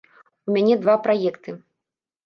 У мяне два праекты.